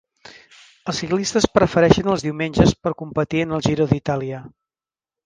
Els ciclistes prefereixen els diumenges per competir en el Giro d'Itàlia.